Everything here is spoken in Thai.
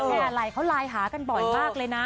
แค่อะไรเขารายหากันบ่อยมากเลยนะ